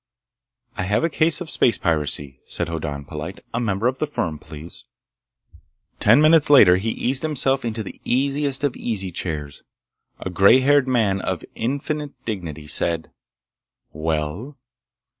"I have a case of space piracy," said Hoddan polite. "A member of the firm, please." Ten minutes later he eased himself into the easiest of easy chairs. A gray haired man of infinite dignity said: "Well?"